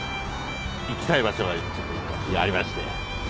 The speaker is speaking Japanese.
行きたい場所がありまして。